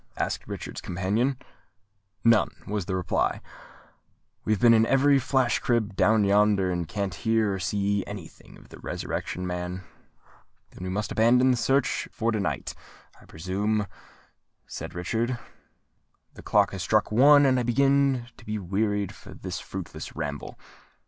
asked Richard's companion. "None," was the reply. "We have been in every flash crib down yonder, and can't hear or see any thing of the Resurrection Man." "Then we must abandon the search for to night, I presume," said Richard. "The clock has struck one, and I begin to be wearied of this fruitless ramble."